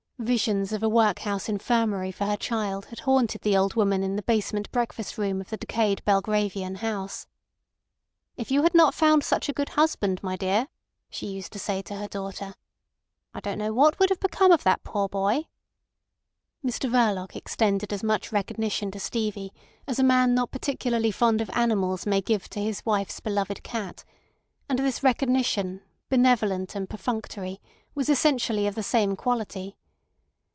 Visions of a workhouse infirmary for her child had haunted the old woman in the basement breakfast room of the decayed Belgravian house. "If you had not found such a good husband, my dear," she used to say to her daughter, "I don't know what would have become of that poor boy." Mr Verloc extended as much recognition to Stevie as a man not particularly fond of animals may give to his wife's beloved cat; and this recognition, benevolent and perfunctory, was essentially of the same quality.